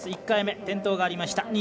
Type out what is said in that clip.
１回目転倒がありました。